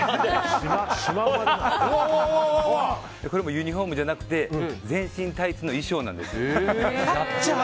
これもユニホームじゃなくて全身タイツの衣装なんです。